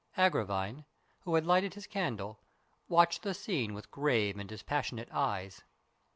Agravine, who had lighted his candle, watched the scene with grave and dispassionate eyes.